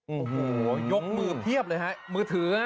โอ้โหยกมือเพียบเลยฮะมือถือ